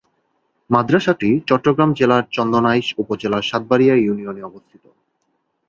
মাদ্রাসাটি চট্টগ্রাম জেলার চন্দনাইশ উপজেলার সাতবাড়িয়া ইউনিয়নে অবস্থিত।